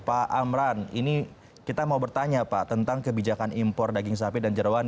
pak amran ini kita mau bertanya pak tentang kebijakan impor daging sapi dan jerawan